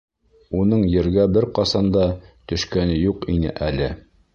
Уның Ергә бер ҡасан да төшкәне юҡ ине әле.